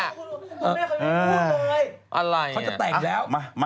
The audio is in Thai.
เขาจะแต่งแล้ว